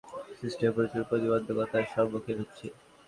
সিস্টেমে প্রচুর প্রতিবন্ধকতার সম্মুখীন হচ্ছি!